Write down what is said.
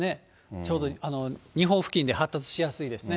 ちょうど日本付近で発達しやすいですね。